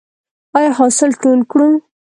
آیا حاصل ټول کړو؟